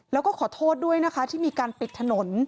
แล้วก็ขอโทษด้วยนะคะที่มีการปิดถนน